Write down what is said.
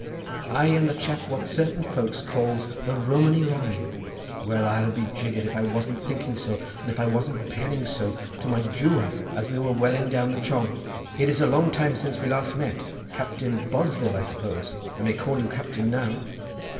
"I am the chap what certain folks calls the Romany Rye." "Well, I'll be jiggered if I wasn't thinking so and if I wasn't penning so to my juwa as we were welling down the chong." "It is a long time since we last met, Captain Bosvile, for I suppose I may call you Captain now?"